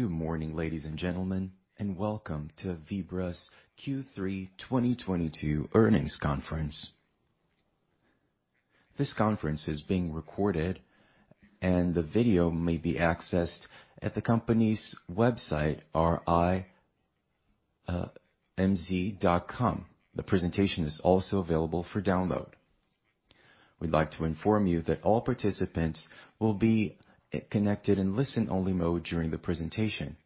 Good morning, ladies and gentlemen, and welcome to Vibra's Q3 2022 earnings conference. This conference is being recorded, and the video may be accessed at the company's website, vibraenergia.com.br/ri. The presentation is also available for download. We'd like to inform you that all participants will be connected in listen-only mode during the presentation.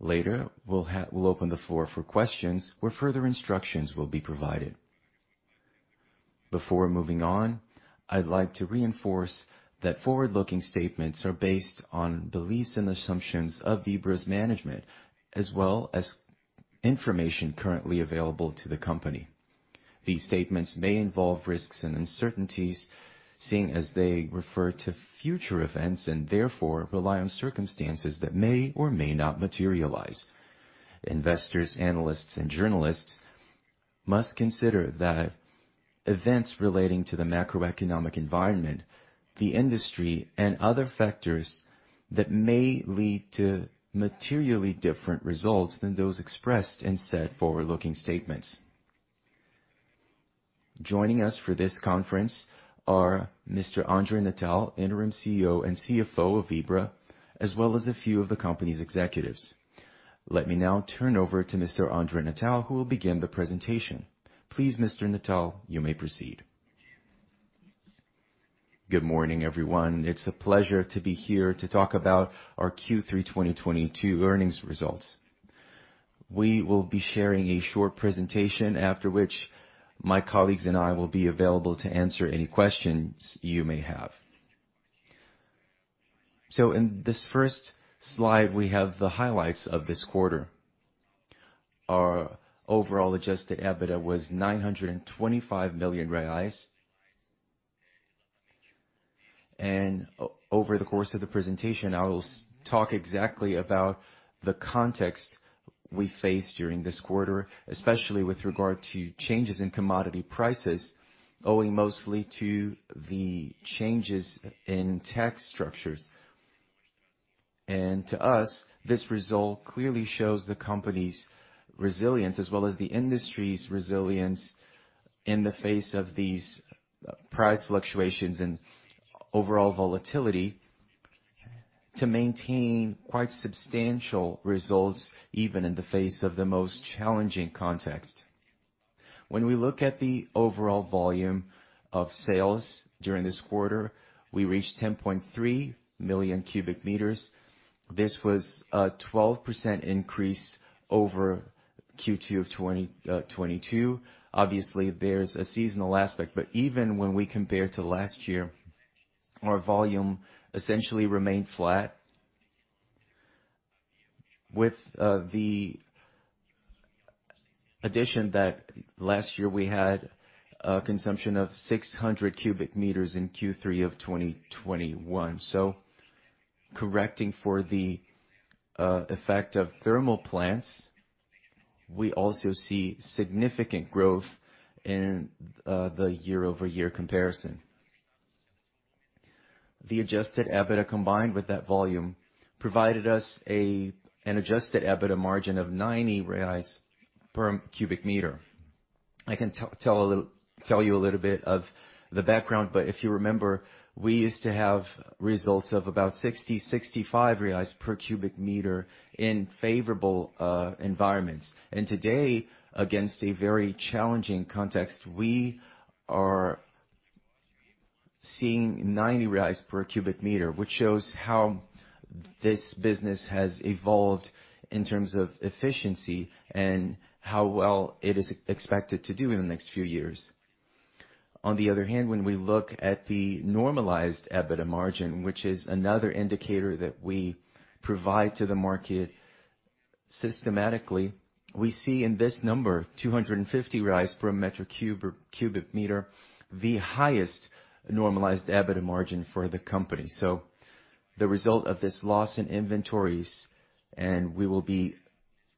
Later, we'll open the floor for questions where further instructions will be provided. Before moving on, I'd like to reinforce that forward-looking statements are based on beliefs and assumptions of Vibra's management, as well as information currently available to the company. These statements may involve risks and uncertainties, seeing as they refer to future events and therefore rely on circumstances that may or may not materialize. Investors, analysts, and journalists must consider that events relating to the macroeconomic environment, the industry, and other factors that may lead to materially different results than those expressed in said forward-looking statements. Joining us for this conference are Mr. André Natal, Interim CEO and CFO of Vibra, as well as a few of the company's executives. Let me now turn over to Mr. André Natal, who will begin the presentation. Please, Mr. Natal, you may proceed. Good morning, everyone. It's a pleasure to be here to talk about our Q3 2022 earnings results. We will be sharing a short presentation after which my colleagues and I will be available to answer any questions you may have. In this first slide, we have the highlights of this quarter. Our overall Adjusted EBITDA was 925 million reais. Over the course of the presentation, I will talk exactly about the context we faced during this quarter, especially with regard to changes in commodity prices, owing mostly to the changes in tax structures. To us, this result clearly shows the company's resilience as well as the industry's resilience in the face of these price fluctuations and overall volatility to maintain quite substantial results, even in the face of the most challenging context. When we look at the overall volume of sales during this quarter, we reached 10.3 million cu m. This was a 12% increase over Q2 of 2022. Obviously, there's a seasonal aspect, but even when we compare to last year, our volume essentially remained flat. With the addition that last year we had a consumption of 600 cu m in Q3 of 2021. Correcting for the effect of thermal plants, we also see significant growth in the year-over-year comparison. The Adjusted EBITDA, combined with that volume, provided us an Adjusted EBITDA margin of 90 reais per cu m. I can tell you a little bit of the background, but if you remember, we used to have results of about 65 reais per cu m in favorable environments. Today, against a very challenging context, we are seeing 90 reais per cu m, which shows how this business has evolved in terms of efficiency and how well it is expected to do in the next few years. On the other hand, when we look at the normalized EBITDA margin, which is another indicator that we provide to the market systematically, we see in this number, 250 per cu m, the highest normalized EBITDA margin for the company. The result of this loss in inventories, and we will be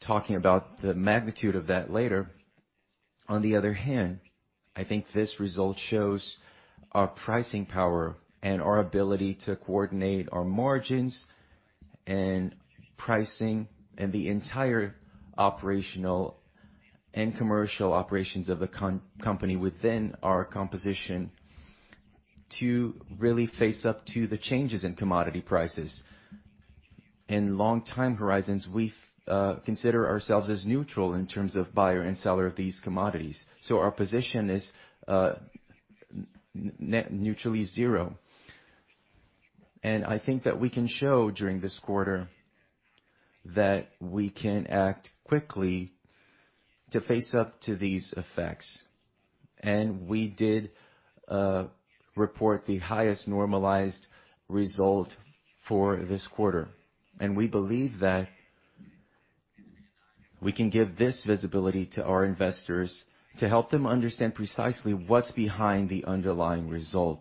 talking about the magnitude of that later. On the other hand, I think this result shows our pricing power and our ability to coordinate our margins and pricing and the entire operational and commercial operations of the company within our composition to really face up to the changes in commodity prices. In long time horizons, we consider ourselves as neutral in terms of buyer and seller of these commodities, so our position is net neutrally zero. I think that we can show during this quarter that we can act quickly to face up to these effects. We did report the highest normalized result for this quarter. We believe that we can give this visibility to our investors to help them understand precisely what's behind the underlying result.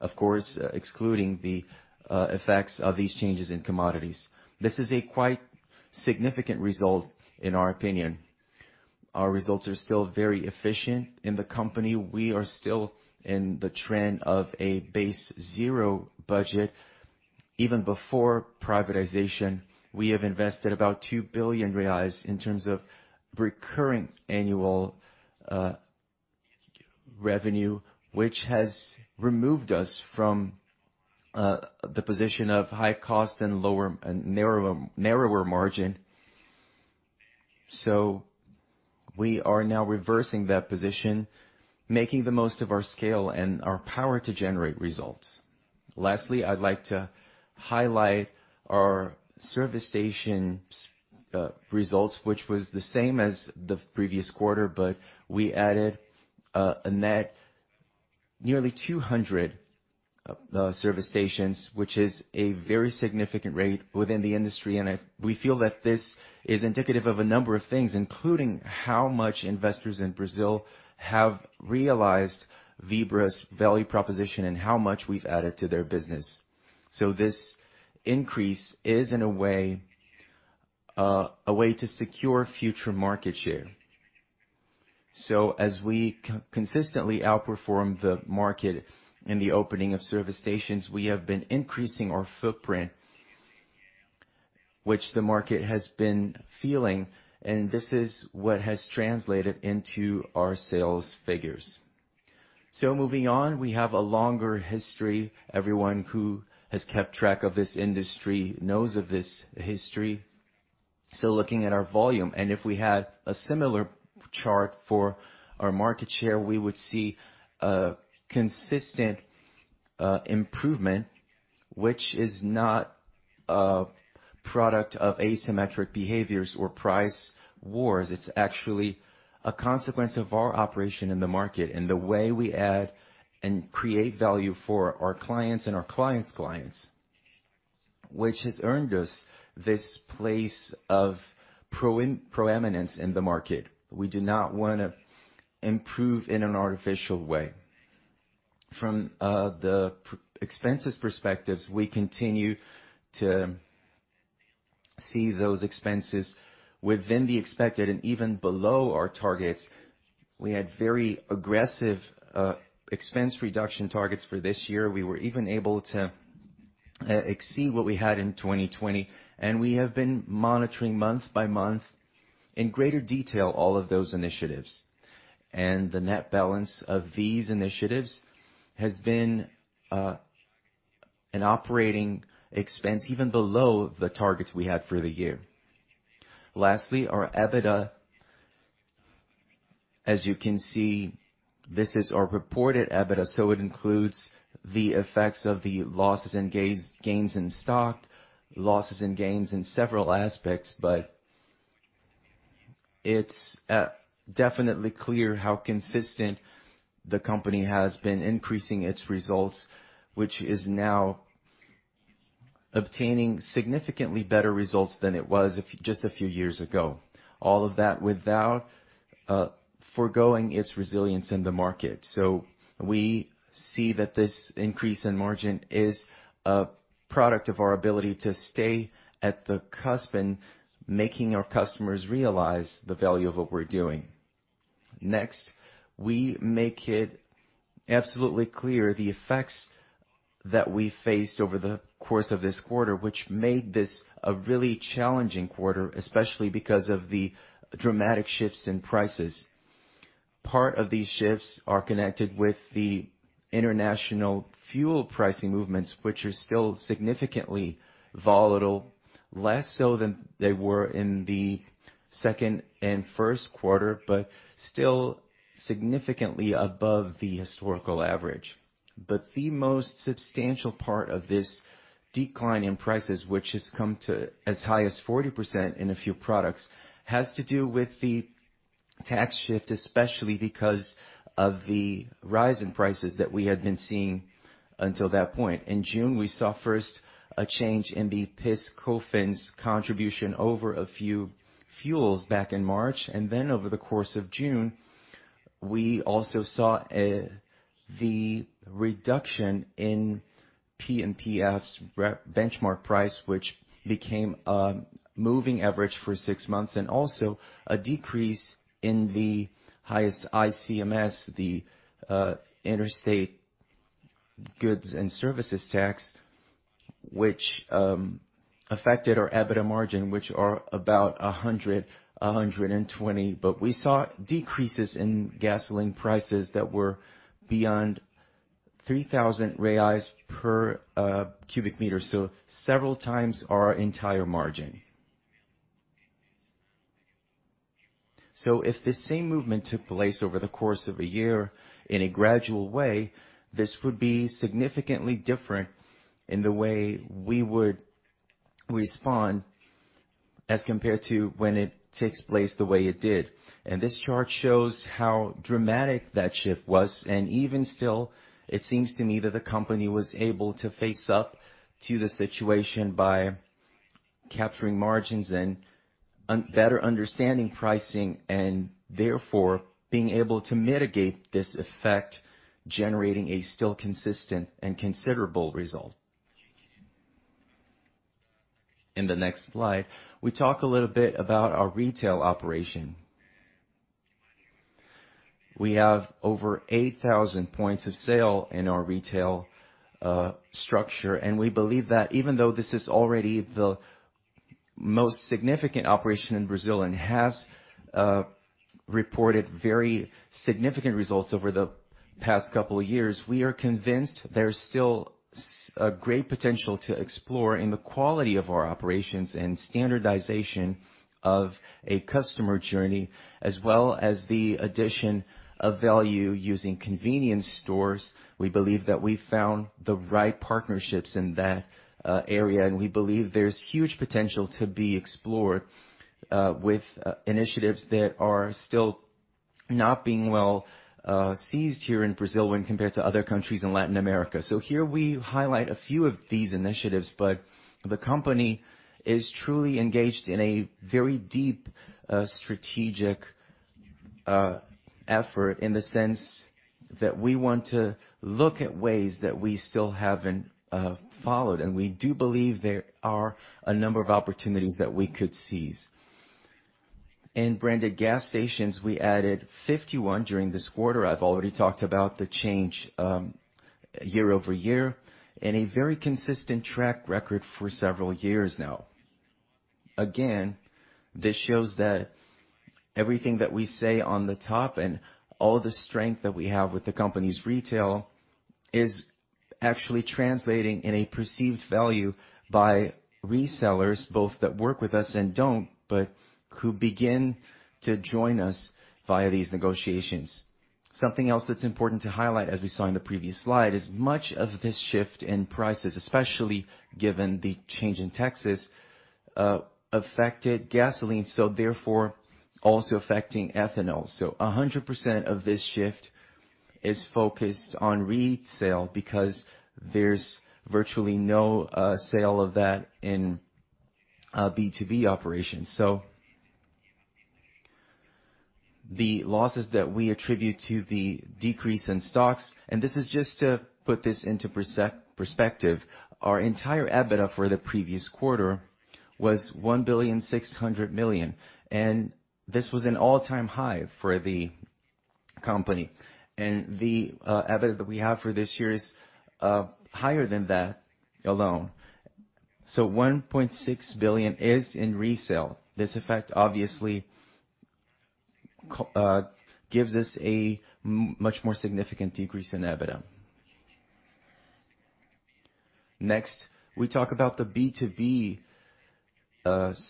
Of course, excluding the effects of these changes in commodities. This is a quite significant result in our opinion. Our results are still very efficient in the company. We are still in the trend of a base zero budget. Even before privatization, we have invested about 2 billion reais in terms of recurring annual revenue, which has removed us from the position of high cost and lower and narrower margin. We are now reversing that position, making the most of our scale and our power to generate results. Lastly, I'd like to highlight our service stations results, which was the same as the previous quarter, but we added a net nearly 200 service stations, which is a very significant rate within the industry. We feel that this is indicative of a number of things, including how much investors in Brazil have realized Vibra's value proposition and how much we've added to their business. This increase is, in a way, a way to secure future market share. As we consistently outperform the market in the opening of service stations, we have been increasing our footprint, which the market has been feeling, and this is what has translated into our sales figures. Moving on, we have a longer history. Everyone who has kept track of this industry knows of this history. Looking at our volume, and if we had a similar chart for our market share, we would see a consistent improvement, which is not a product of asymmetric behaviors or price wars. It's actually a consequence of our operation in the market and the way we add and create value for our clients and our clients' clients, which has earned us this place of preeminence in the market. We do not wanna improve in an artificial way. From the expenses perspectives, we continue to see those expenses within the expected and even below our targets. We had very aggressive expense reduction targets for this year. We were even able to exceed what we had in 2020, and we have been monitoring month by month in greater detail all of those initiatives. The net balance of these initiatives has been an operating expense even below the targets we had for the year. Lastly, our EBITDA. As you can see, this is our reported EBITDA, so it includes the effects of the losses and gains in stock, losses and gains in several aspects. It's definitely clear how consistent the company has been increasing its results, which is now obtaining significantly better results than it was just a few years ago. All of that without foregoing its resilience in the market. We see that this increase in margin is a product of our ability to stay at the cusp and making our customers realize the value of what we're doing. Next, we make it absolutely clear the effects that we faced over the course of this quarter, which made this a really challenging quarter, especially because of the dramatic shifts in prices. Part of these shifts are connected with the international fuel pricing movements. Which are still significantly volatile, less so than they were in the second and first quarter, but still significantly above the historical average. The most substantial part of this decline in prices, which has come to as high as 40% in a few products, has to do with the tax shift, especially because of the rise in prices that we had been seeing until that point. In June, we saw first a change in the PIS/Cofins contribution over a few fuels back in March, and then over the course of June, we also saw the reduction in PMPs benchmark price, which became a moving average for six months, and also a decrease in the highest ICMS, the Interstate Goods and Services Tax, which affected our EBITDA margin, which are about 120 BRL. We saw decreases in gasoline prices that were beyond 3,000 reais per cu m, so several times our entire margin. If this same movement took place over the course of a year in a gradual way, this would be significantly different in the way we would respond as compared to when it takes place the way it did. This chart shows how dramatic that shift was, and even still, it seems to me that the company was able to face up to the situation by capturing margins and better understanding pricing and therefore being able to mitigate this effect, generating a still consistent and considerable result. In the next slide, we talk a little bit about our retail operation. We have over 8,000 points of sale in our retail structure, and we believe that even though this is already the most significant operation in Brazil and has reported very significant results over the past couple of years, we are convinced there's still a great potential to explore in the quality of our operations and standardization of a customer journey, as well as the addition of value using convenience stores. We believe that we found the right partnerships in that area, and we believe there's huge potential to be explored with initiatives that are still not being well seized here in Brazil when compared to other countries in Latin America. Here we highlight a few of these initiatives, but the company is truly engaged in a very deep strategic effort in the sense that we want to look at ways that we still haven't followed. We do believe there are a number of opportunities that we could seize. In branded gas stations, we added 51 during this quarter. I've already talked about the change year-over-year, and a very consistent track record for several years now. This shows that everything that we say on the top and all the strength that we have with the company's retail is actually translating in a perceived value by resellers, both that work with us and don't, but who begin to join us via these negotiations. Something else that's important to highlight, as we saw in the previous slide, is much of this shift in prices, especially given the change in taxes, affected gasoline, so therefore also affecting ethanol. So 100% of this shift is focused on resale because there's virtually no sale of that in B2B operations. So the losses that we attribute to the decrease in stocks, and this is just to put this into perspective, our entire EBITDA for the previous quarter was 1.6 billion, and this was an all-time high for the company. The EBITDA that we have for this year is higher than that alone. 1.6 billion is in resale. This effect obviously gives us a much more significant decrease in EBITDA. Next, we talk about the B2B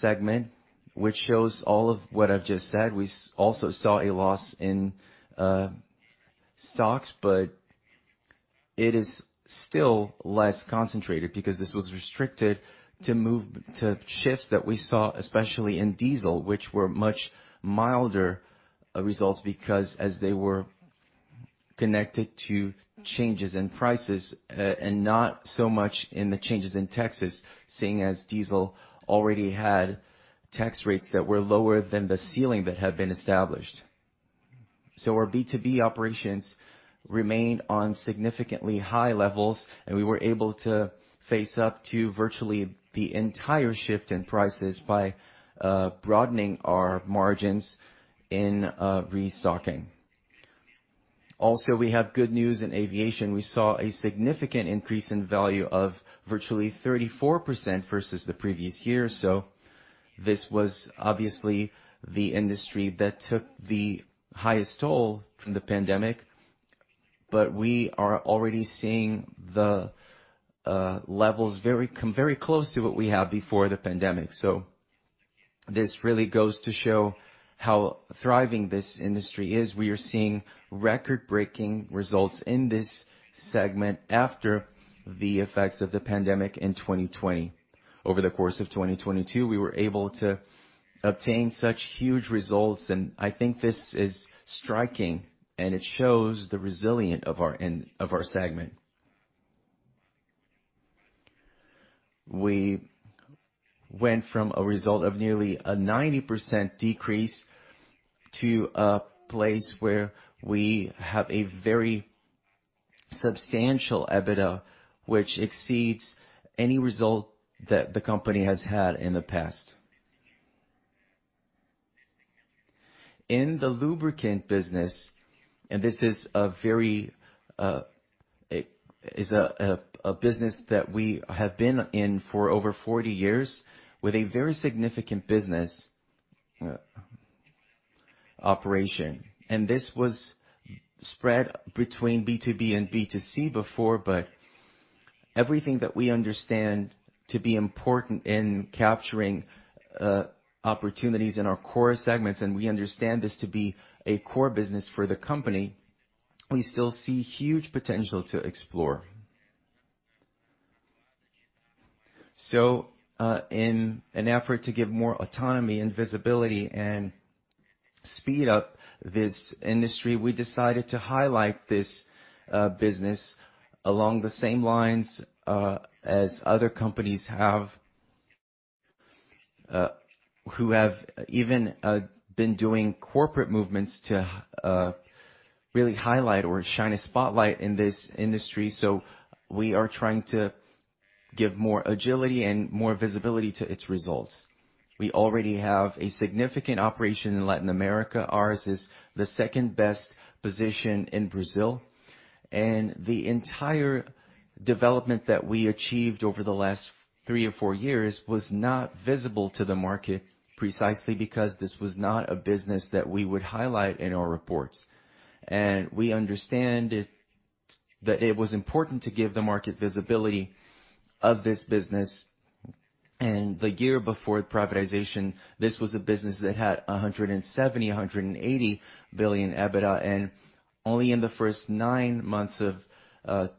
segment, which shows all of what I've just said. We also saw a loss in stocks, but it is still less concentrated because this was restricted to shifts that we saw, especially in diesel, which were much milder results because as they were connected to changes in prices, and not so much in the changes in taxes, seeing as diesel already had tax rates that were lower than the ceiling that had been established. Our B2B operations remained on significantly high levels, and we were able to face up to virtually the entire shift in prices by broadening our margins in restocking. Also, we have good news in aviation. We saw a significant increase in value of virtually 34% versus the previous year. This was obviously the industry that took the highest toll from the pandemic, but we are already seeing the levels very close to what we had before the pandemic. This really goes to show how thriving this industry is. We are seeing record-breaking results in this segment after the effects of the pandemic in 2020. Over the course of 2022, we were able to obtain such huge results, and I think this is striking, and it shows the resilience of our segment. We went from a result of nearly a 90% decrease to a place where we have a very substantial EBITDA, which exceeds any result that the company has had in the past. In the lubricant business, it's a business that we have been in for over 40 years with a very significant business operation. This was spread between B2B and B2C before, but everything that we understand to be important in capturing opportunities in our core segments, and we understand this to be a core business for the company, we still see huge potential to explore. In an effort to give more autonomy and visibility and speed up this industry, we decided to highlight this business along the same lines as other companies have, who have even been doing corporate movements to really highlight or shine a spotlight in this industry. We are trying to give more agility and more visibility to its results. We already have a significant operation in Latin America. Ours is the second-best position in Brazil, and the entire development that we achieved over the last three or four years was not visible to the market precisely because this was not a business that we would highlight in our reports. We understand it, that it was important to give the market visibility of this business. The year before privatization, this was a business that had 170 billion-180 billion EBITDA, and only in the first nine months of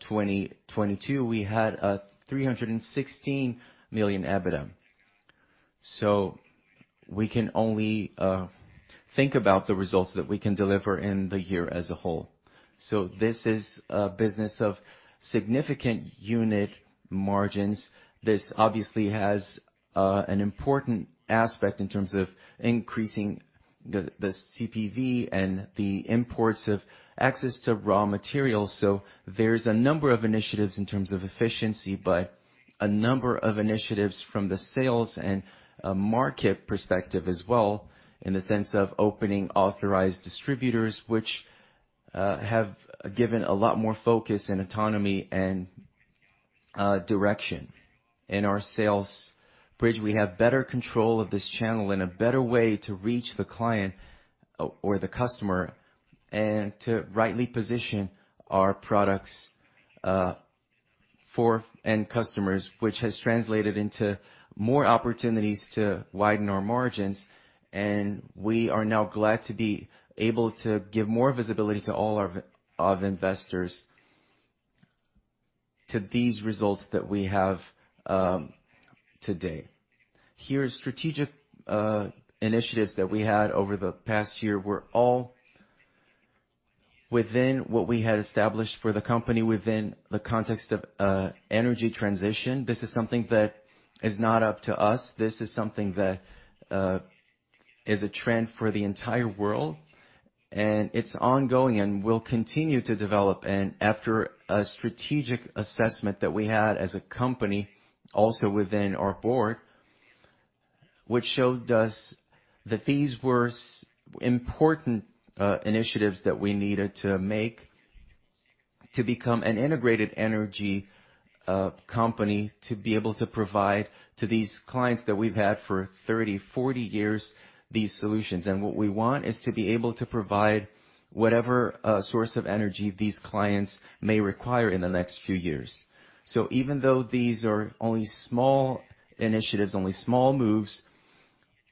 2022, we had 316 million EBITDA. We can only think about the results that we can deliver in the year as a whole. This is a business of significant unit margins. This obviously has an important aspect in terms of increasing the CPV and the improvement in access to raw materials. There's a number of initiatives in terms of efficiency, but a number of initiatives from the sales and market perspective as well, in the sense of opening authorized distributors, which have given a lot more focus and autonomy and direction. In our sales bridge, we have better control of this channel and a better way to reach the client or the customer and to rightly position our products for end customers, which has translated into more opportunities to widen our margins. We are now glad to be able to give more visibility to all the investors to these results that we have today. Here are strategic initiatives that we had over the past year were all within what we had established for the company within the context of energy transition. This is something that is not up to us. This is something that is a trend for the entire world, and it's ongoing and will continue to develop. After a strategic assessment that we had as a company, also within our board, which showed us that these were important initiatives that we needed to make to become an integrated energy company, to be able to provide to these clients that we've had for 30, 40 years, these solutions. What we want is to be able to provide whatever source of energy these clients may require in the next few years. Even though these are only small initiatives, only small moves,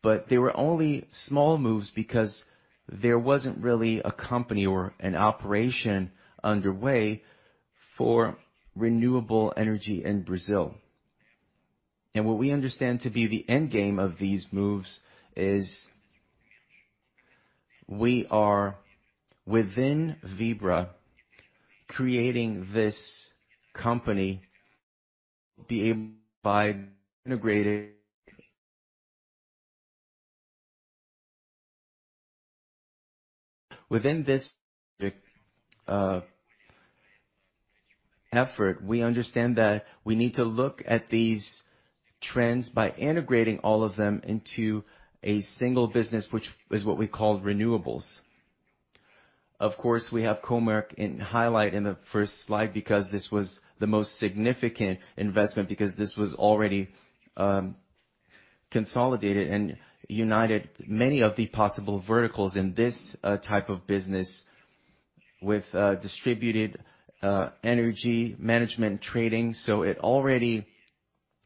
but they were only small moves because there wasn't really a company or an operation underway for renewable energy in Brazil. What we understand to be the end game of these moves is we are within Vibra creating this company be able by integrating. Within this effort, we understand that we need to look at these trends by integrating all of them into a single business, which is what we call renewables. Of course, we have Comerc in highlight in the first slide because this was the most significant investment because this was already consolidated and united many of the possible verticals in this type of business with distributed energy management trading. It already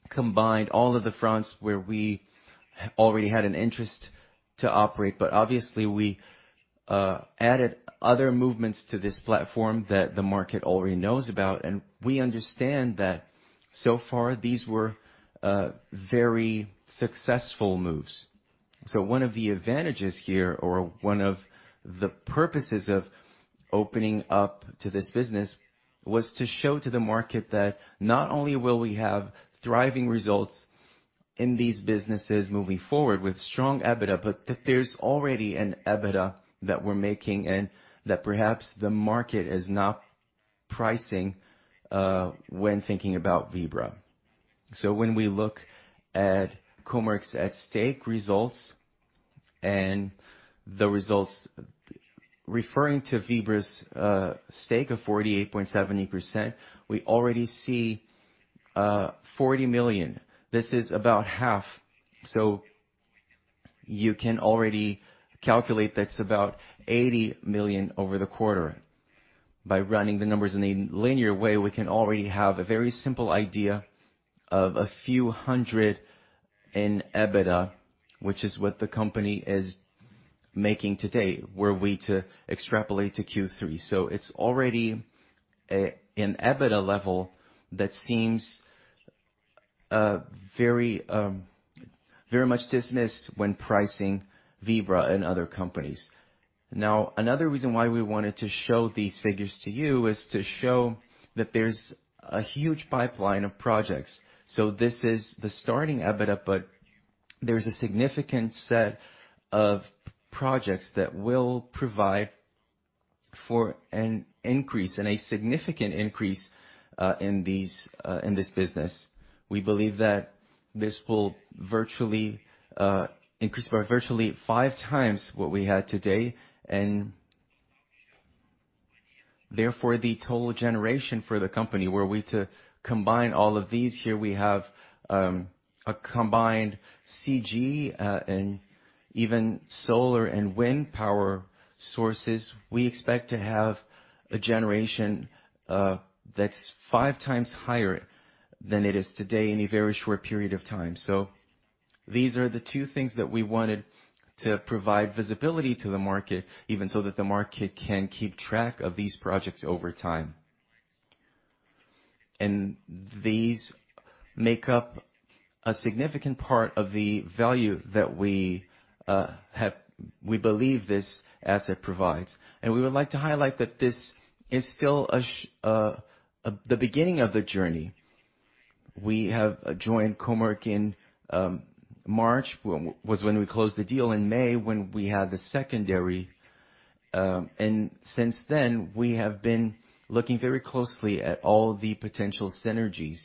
combined all of the fronts where we already had an interest to operate. Obviously, we added other movements to this platform that the market already knows about. We understand that so far these were very successful moves. One of the advantages here, or one of the purposes of opening up to this business, was to show to the market that not only will we have thriving results in these businesses moving forward with strong EBITDA, but that there's already an EBITDA that we're making and that perhaps the market is not pricing when thinking about Vibra. When we look at Comerc's stake results and the results referring to Vibra's stake of 48.70%, we already see 40 million. This is about half. You can already calculate that's about 80 million over the quarter. By running the numbers in a linear way, we can already have a very simple idea of a few hundred in EBITDA, which is what the company is making today, were we to extrapolate to Q3. It's already an EBITDA level that seems very very much dismissed when pricing Vibra and other companies. Now, another reason why we wanted to show these figures to you is to show that there's a huge pipeline of projects. This is the starting EBITDA, but there's a significant set of projects that will provide for an increase and a significant increase in this business. We believe that this will virtually increase by virtually five times what we had today, and therefore the total generation for the company, were we to combine all of these here, we have a combined CG and even solar and wind power sources. We expect to have a generation that's five times higher than it is today in a very short period of time. These are the two things that we wanted to provide visibility to the market, even so that the market can keep track of these projects over time. These make up a significant part of the value that we have, we believe this asset provides. We would like to highlight that this is still the beginning of the journey. We have joined Comerc in March. Was when we closed the deal in May when we had the secondary. Since then, we have been looking very closely at all the potential synergies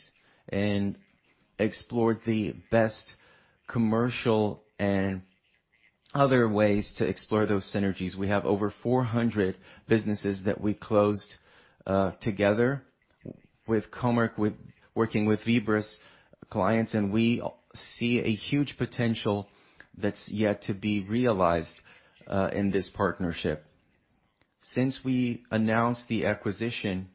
and explored the best commercial and other ways to explore those synergies. We have over 400 businesses that we closed together with Comerc, working with Vibra's clients, and we see a huge potential that's yet to be realized in this partnership. Since we announced the acquisition,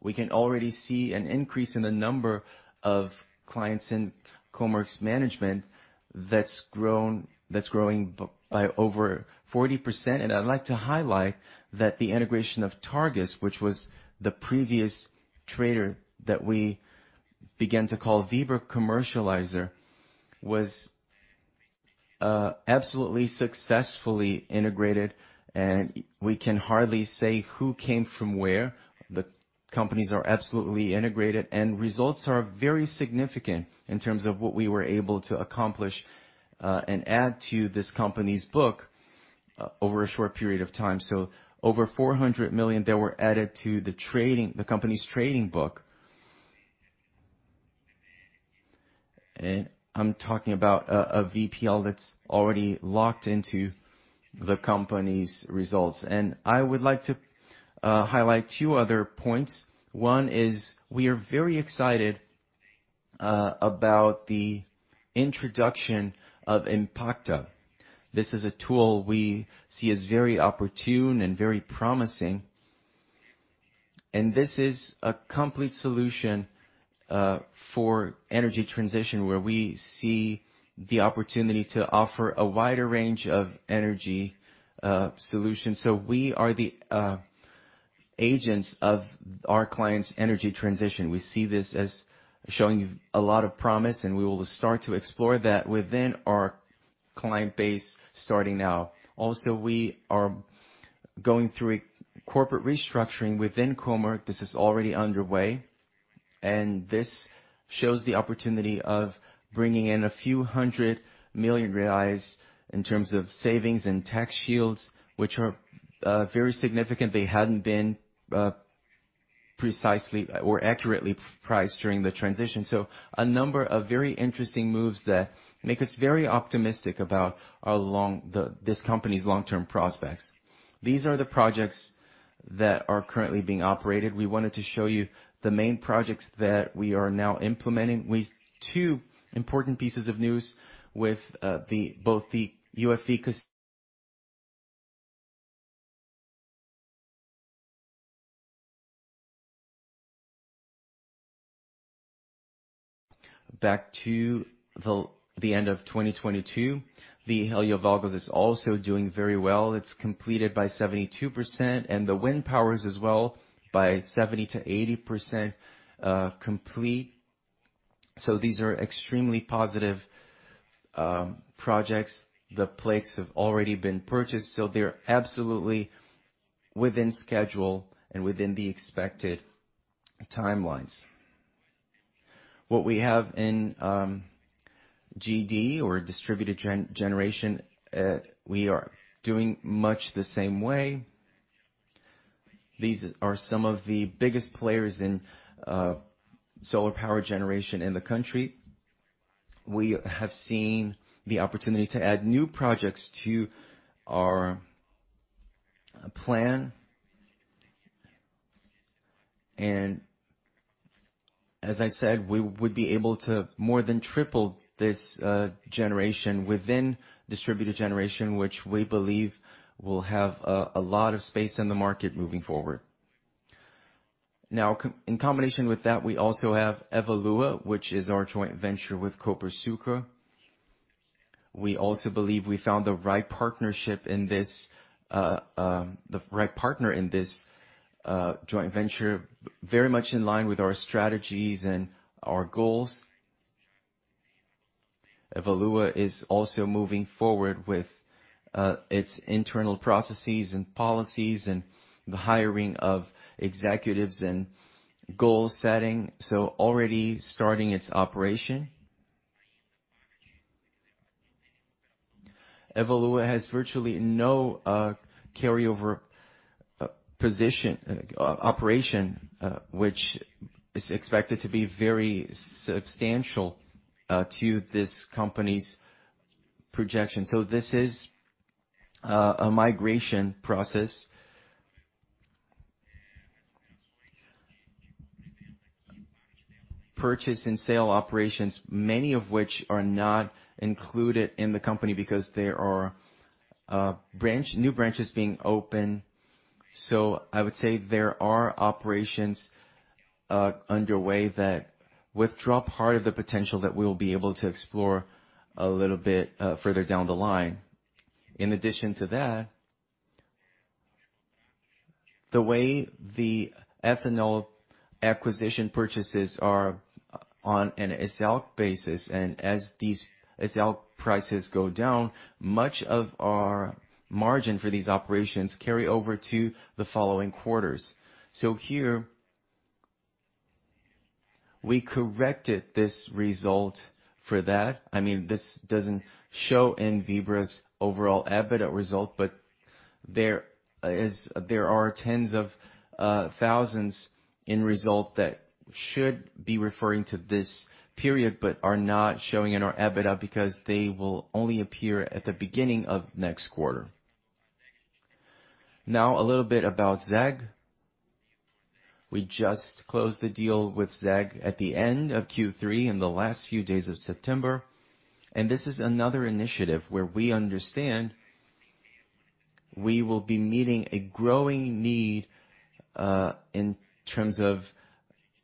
we can already see an increase in the number of clients in Comerc's management that's growing by over 40%. I'd like to highlight that the integration of Targus, which was the previous trader that we began to call BR Distribuidora, was absolutely successfully integrated, and we can hardly say who came from where. The companies are absolutely integrated, and results are very significant in terms of what we were able to accomplish and add to this company's book over a short period of time. Over 400 million were added to the company's trading book. I'm talking about a VPL that's already locked into the company's results. I would like to highlight two other points. One is we are very excited about the introduction of Impacta. This is a tool we see as very opportune and very promising. This is a complete solution for energy transition, where we see the opportunity to offer a wider range of energy solutions. We are the agents of our clients' energy transition. We see this as showing a lot of promise, and we will start to explore that within our client base starting now. We are going through a corporate restructuring within Comerc. This is already underway, and this shows the opportunity of bringing in a few hundred million BRL in terms of savings and tax shields, which are very significant. They hadn't been precisely or accurately priced during the transition. A number of very interesting moves that make us very optimistic about this company's long-term prospects. These are the projects that are currently being operated. We wanted to show you the main projects that we are now implementing. Back to the end of 2022, the Hélio Valgas is also doing very well. It's completed by 72%, and the wind power is as well by 70%-80% complete. These are extremely positive projects. The plates have already been purchased, so they're absolutely within schedule and within the expected timelines. What we have in GD or distributed generation, we are doing much the same way. These are some of the biggest players in solar power generation in the country. We have seen the opportunity to add new projects to our plan. As I said, we would be able to more than triple this generation within distributed generation, which we believe will have a lot of space in the market moving forward. Now, in combination with that, we also have Evolua, which is our joint venture with Copersucar. We also believe we found the right partner in this joint venture, very much in line with our strategies and our goals. Evolua is also moving forward with its internal processes and policies and the hiring of executives and goal setting, so already starting its operation. Evolua has virtually no carryover operation, which is expected to be very substantial to this company's projection. This is a migration process. Purchase and sale operations, many of which are not included in the company because there are new branches being open. I would say there are operations underway that withdraw part of the potential that we'll be able to explore a little bit further down the line. In addition to that, the way the ethanol acquisition purchases are on an SL basis, and as these SL prices go down, much of our margin for these operations carry over to the following quarters. Here we corrected this result for that. I mean, this doesn't show in Vibra's overall EBITDA result, but there are tens of thousands in result that should be referring to this period, but are not showing in our EBITDA because they will only appear at the beginning of next quarter. We just closed the deal with ZEG Biogás at the end of Q3 in the last few days of September, and this is another initiative where we understand we will be meeting a growing need in terms of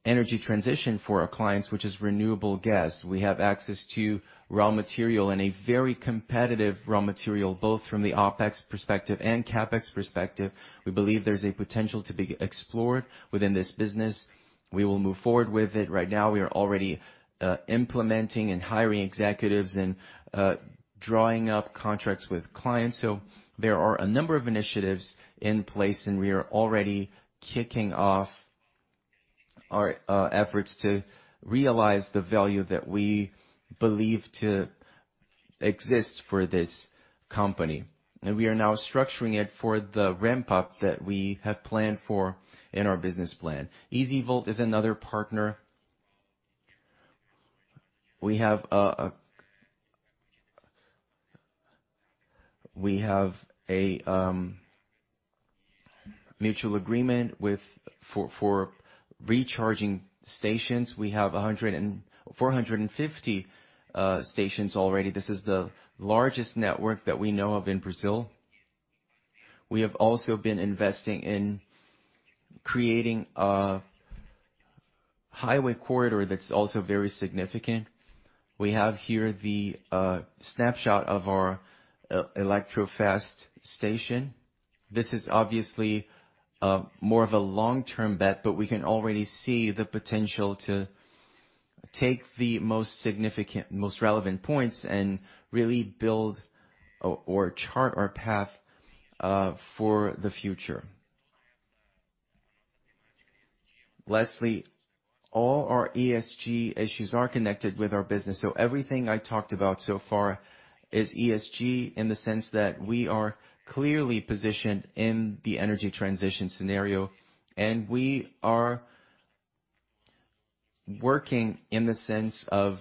energy transition for our clients, which is renewable gas. We have access to raw material and a very competitive raw material, both from the OpEx perspective and CapEx perspective. We believe there's a potential to be explored within this business. We will move forward with it. Right now, we are already implementing and hiring executives and drawing up contracts with clients. So there are a number of initiatives in place, and we are already kicking off our efforts to realize the value that we believe to exist for this company. We are now structuring it for the ramp-up that we have planned for in our business plan. EZVolt is another partner. We have a mutual agreement for recharging stations. We have 450 stations already. This is the largest network that we know of in Brazil. We have also been investing in creating a highway corridor that's also very significant. We have here the snapshot of our Eletrofast station. This is obviously more of a long-term bet, but we can already see the potential to take the most significant, most relevant points and really build or chart our path for the future. Lastly, all our ESG issues are connected with our business. Everything I talked about so far is ESG in the sense that we are clearly positioned in the energy transition scenario, and we are working in the sense of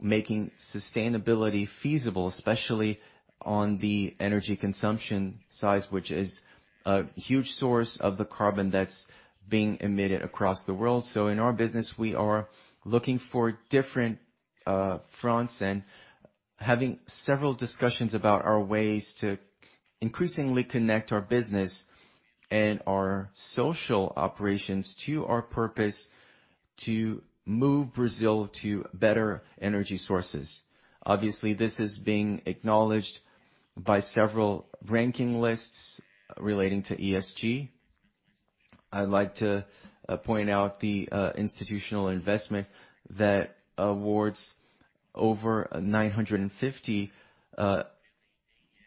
making sustainability feasible, especially on the energy consumption side, which is a huge source of the carbon that's being emitted across the world. In our business, we are looking for different fronts and having several discussions about our ways to increasingly connect our business and our social operations to our purpose to move Brazil to better energy sources. Obviously, this is being acknowledged by several ranking lists relating to ESG. I'd like to point out the Institutional Investor that awards over 950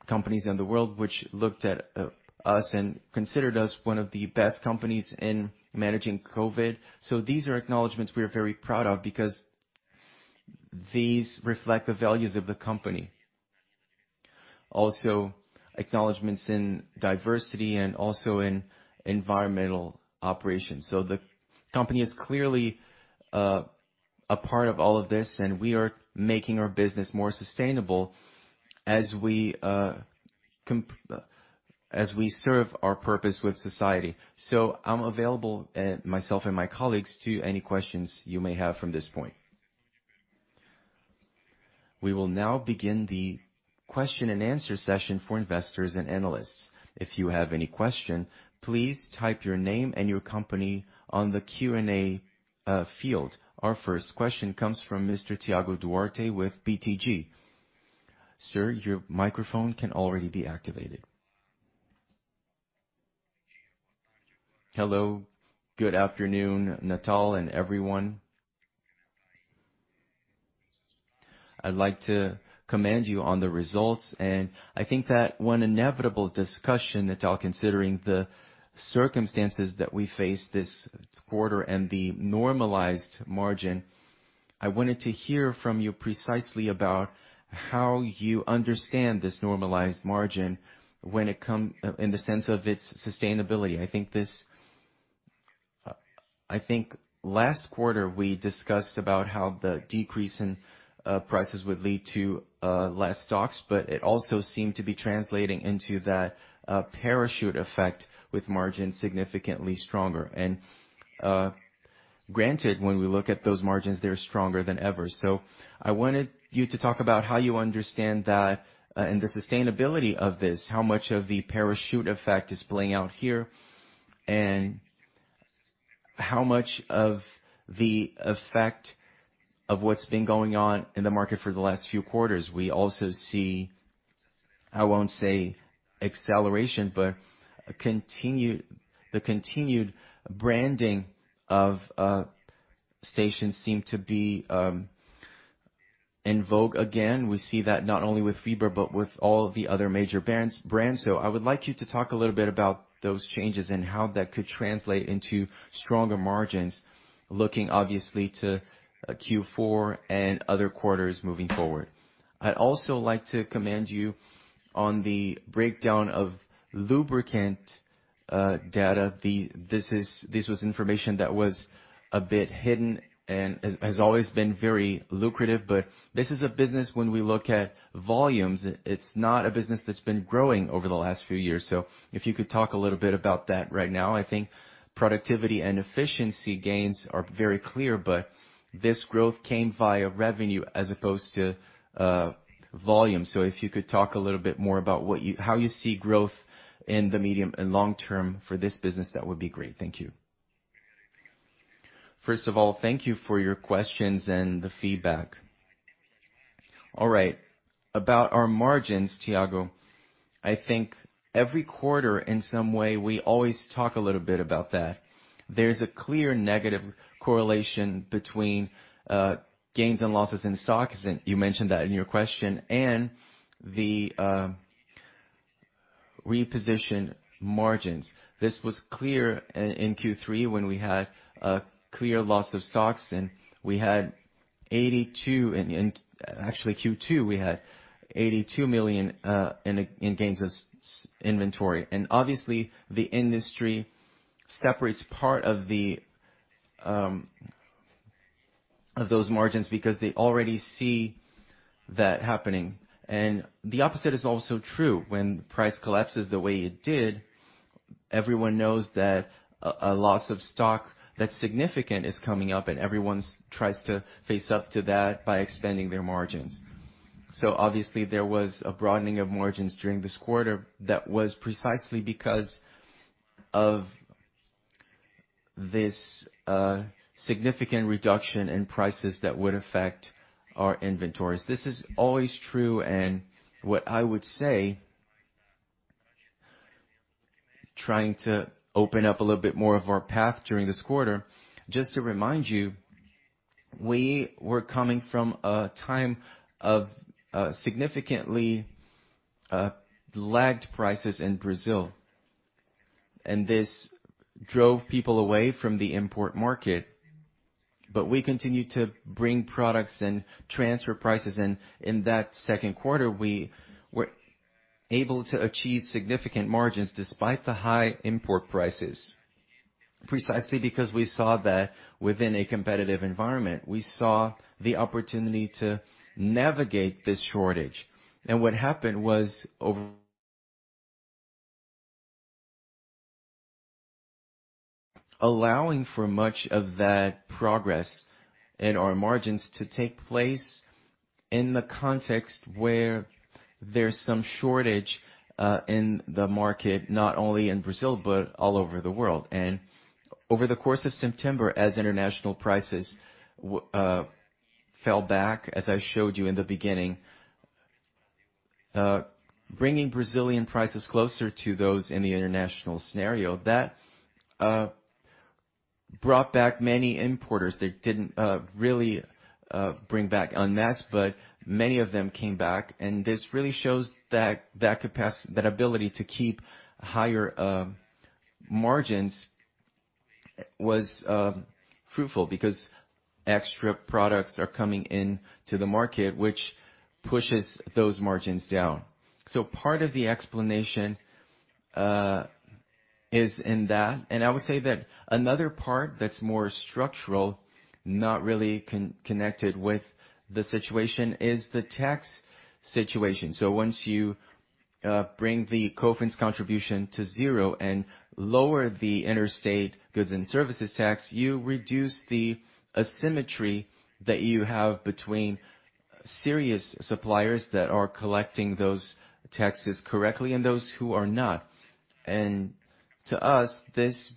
companies in the world, which looked at us and considered us one of the best companies in managing COVID. These are acknowledgments we are very proud of because these reflect the values of the company. Also acknowledgments in diversity and also in environmental operations. The company is clearly a part of all of this, and we are making our business more sustainable as we serve our purpose with society. I'm available myself and my colleagues to any questions you may have from this point. We will now begin the question and answer session for investors and analysts. If you have any question, please type your name and your company on the Q&A field. Our first question comes from Mr. Thiago Duarte with BTG. Sir, your microphone can already be activated. Hello. Good afternoon, Natal and everyone. I'd like to commend you on the results. I think that one inevitable discussion, Natal, considering the circumstances that we face this quarter and the normalized margin. I wanted to hear from you precisely about how you understand this normalized margin in the sense of its sustainability. I think last quarter we discussed about how the decrease in prices would lead to less stocks, but it also seemed to be translating into that parachute effect with margin significantly stronger. Granted, when we look at those margins, they're stronger than ever. I wanted you to talk about how you understand that, and the sustainability of this. How much of the parachute effect is playing out here? And how much of the effect of what's been going on in the market for the last few quarters? We also see, I won't say acceleration, but the continued branding of stations seem to be in vogue again. We see that not only with Vibra, but with all the other major brands. I would like you to talk a little bit about those changes and how that could translate into stronger margins, looking obviously to Q4 and other quarters moving forward. I'd also like to commend you on the breakdown of lubricant data. This was information that was a bit hidden and has always been very lucrative. This is a business when we look at volumes, it's not a business that's been growing over the last few years. If you could talk a little bit about that right now. I think productivity and efficiency gains are very clear, but this growth came via revenue as opposed to volume. So if you could talk a little bit more about how you see growth in the medium and long term for this business, that would be great. Thank you. First of all, thank you for your questions and the feedback. All right. About our margins, Thiago, I think every quarter in some way we always talk a little bit about that. There's a clear negative correlation between gains and losses in stocks, and you mentioned that in your question, and the repositioning margins. This was clear in Q3 when we had a clear loss in stocks, and we had 82 million. Actually Q2, we had 82 million in gains in inventory. Obviously the industry separates part of the of those margins because they already see that happening. The opposite is also true. When price collapses the way it did, everyone knows that a loss of stock that's significant is coming up and everyone tries to face up to that by expanding their margins. Obviously there was a broadening of margins during this quarter that was precisely because of this significant reduction in prices that would affect our inventories. This is always true, and what I would say, trying to open up a little bit more of our path during this quarter, just to remind you, we were coming from a time of significantly lagged prices in Brazil, and this drove people away from the import market. We continued to bring products and transfer prices. In that second quarter, we were able to achieve significant margins despite the high import prices, precisely because we saw that within a competitive environment, we saw the opportunity to navigate this shortage. What happened was allowing for much of that progress in our margins to take place in the context where there's some shortage in the market, not only in Brazil, but all over the world. Over the course of September, as international prices fell back, as I showed you in the beginning, bringing Brazilian prices closer to those in the international scenario, that brought back many importers. They didn't really bring back en masse, but many of them came back. This really shows that ability to keep higher margins was fruitful because extra products are coming into the market, which pushes those margins down. Part of the explanation is in that. I would say that another part that's more structural, not really connected with the situation, is the tax situation. Once you bring the COFINS contribution to zero and lower the Interstate Goods and Services Tax, you reduce the asymmetry that you have between serious suppliers that are collecting those taxes correctly and those who are not. To us, this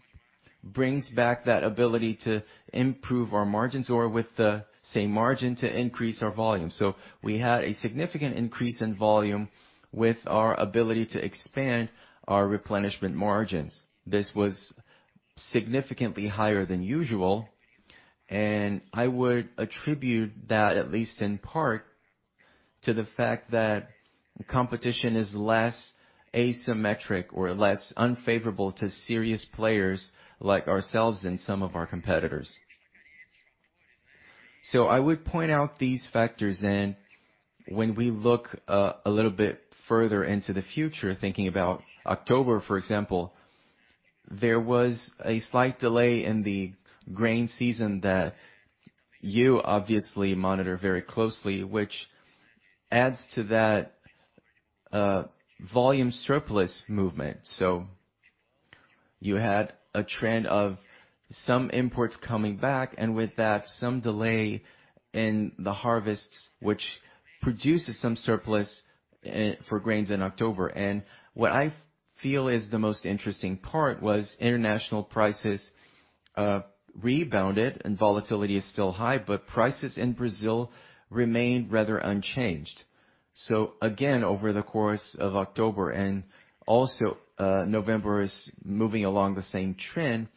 brings back that ability to improve our margins or with the same margin to increase our volume. We had a significant increase in volume with our ability to expand our replenishment margins. This was significantly higher than usual, and I would attribute that, at least in part, to the fact that competition is less asymmetric or less unfavorable to serious players like ourselves than some of our competitors. I would point out these factors and when we look little bit further into the future, thinking about October, for example, there was a slight delay in the grain season that you obviously monitor very closely, which adds to that, volume surplus movement. You had a trend of some imports coming back, and with that, some delay in the harvests, which produces some surplus, for grains in October. What I feel is the most interesting part was international prices, rebounded and volatility is still high, but prices in Brazil remained rather unchanged. Again, over the course of October and also November is moving along the same trend.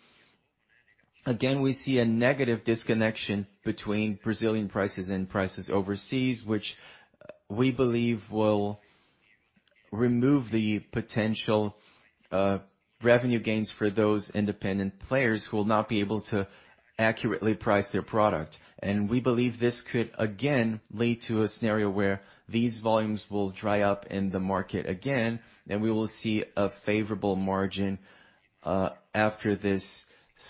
Again, we see a negative disconnection between Brazilian prices and prices overseas, which we believe will remove the potential revenue gains for those independent players who will not be able to accurately price their product. We believe this could again lead to a scenario where these volumes will dry up in the market again, and we will see a favorable margin after this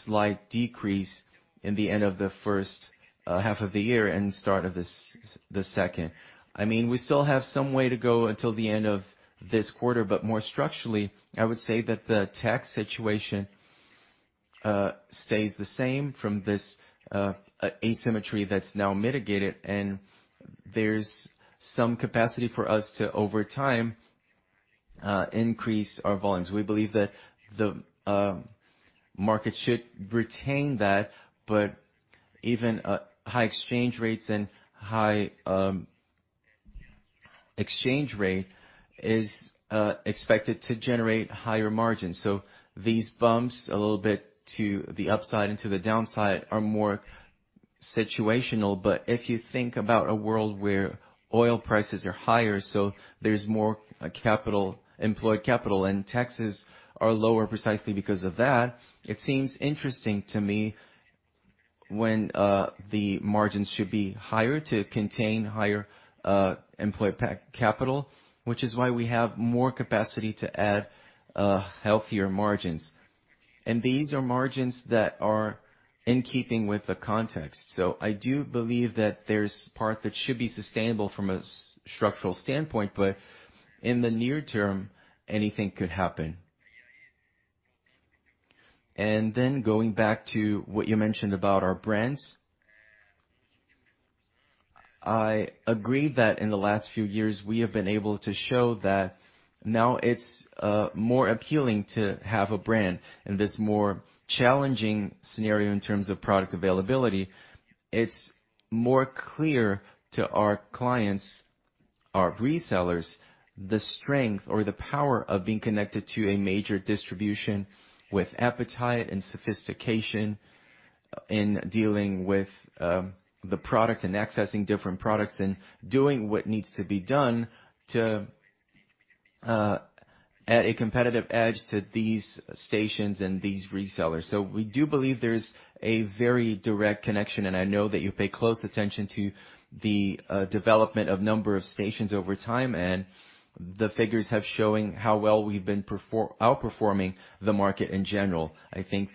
slight decrease in the end of the first half of the year and start of the second. I mean, we still have some way to go until the end of this quarter, but more structurally, I would say that the tax situation stays the same from this asymmetry that's now mitigated, and there's some capacity for us to, over time, increase our volumes. We believe that the market should retain that, but even high exchange rates and high exchange rate is expected to generate higher margins. These bumps a little bit to the upside and to the downside are more situational. If you think about a world where oil prices are higher, there's more employed capital, and taxes are lower precisely because of that, it seems interesting to me when the margins should be higher to contain higher employed capital, which is why we have more capacity to add healthier margins. These are margins that are in keeping with the context. I do believe that there's part that should be sustainable from a structural standpoint, but in the near term, anything could happen. Going back to what you mentioned about our brands. I agree that in the last few years we have been able to show that now it's more appealing to have a brand in this more challenging scenario in terms of product availability. It's more clear to our clients, our resellers, the strength or the power of being connected to a major distribution with appetite and sophistication in dealing with the product and accessing different products and doing what needs to be done to add a competitive edge to these stations and these resellers. We do believe there's a very direct connection, and I know that you pay close attention to the development of number of stations over time, and the figures have showing how well we've been outperforming the market in general. I think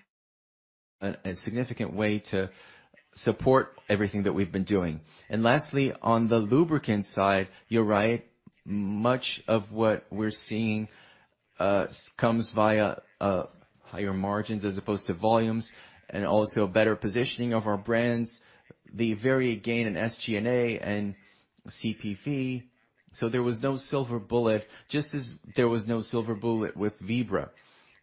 a significant way to support everything that we've been doing. Lastly, on the lubricant side, you're right. Much of what we're seeing comes via higher margins as opposed to volumes, and also better positioning of our brands, the very gain in SG&A and CPV. There was no silver bullet, just as there was no silver bullet with Vibra.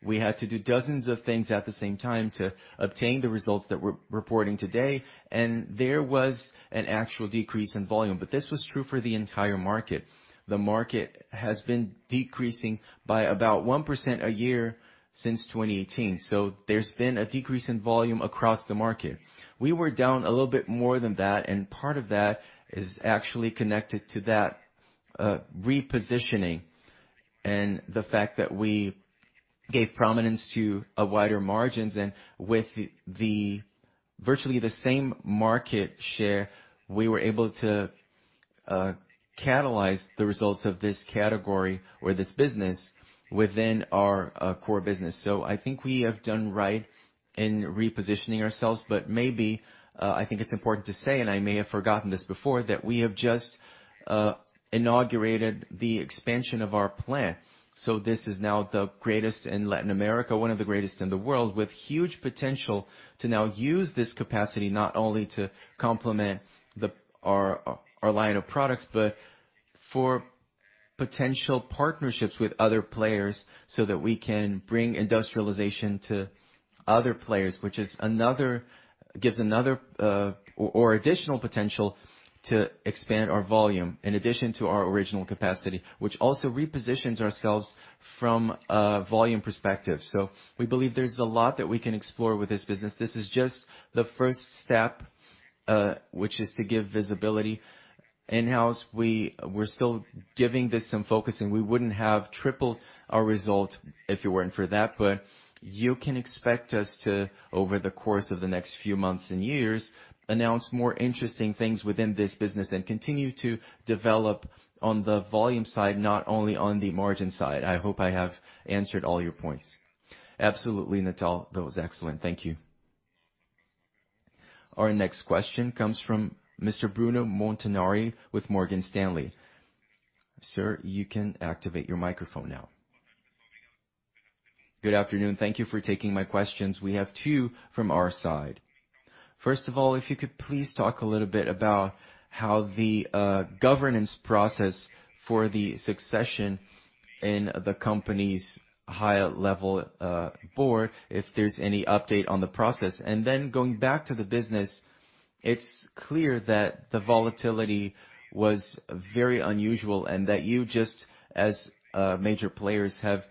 We had to do dozens of things at the same time to obtain the results that we're reporting today, and there was an actual decrease in volume. This was true for the entire market. The market has been decreasing by about 1% a year since 2018. There's been a decrease in volume across the market. We were down a little bit more than that, and part of that is actually connected to that repositioning and the fact that we gave prominence to wider margins. Virtually the same market share, we were able to catalyze the results of this category or this business within our core business. I think we have done right in repositioning ourselves. Maybe I think it's important to say, and I may have forgotten this before, that we have just inaugurated the expansion of our plant. This is now the greatest in Latin America, one of the greatest in the world, with huge potential to now use this capacity not only to complement our line of products, but for potential partnerships with other players so that we can bring industrialization to other players, which gives another, or additional potential to expand our volume in addition to our original capacity, which also repositions ourselves from a volume perspective. We believe there's a lot that we can explore with this business. This is just the first step, which is to give visibility. In-house, we're still giving this some focus, and we wouldn't have tripled our result if it weren't for that. You can expect us to, over the course of the next few months and years, announce more interesting things within this business and continue to develop on the volume side, not only on the margin side. I hope I have answered all your points. Absolutely, Natal. That was excellent. Thank you. Our next question comes from Mr. Bruno Montanari with Morgan Stanley. Sir, you can activate your microphone now. Good afternoon. Thank you for taking my questions. We have two from our side. First of all, if you could please talk a little bit about how the governance process for the succession in the company's higher level board, if there's any update on the process. Going back to the business, it's clear that the volatility was very unusual and that you, just as major players, have